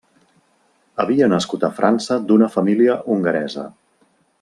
Havia nascut a França d'una família hongaresa.